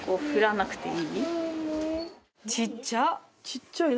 ちっちゃい。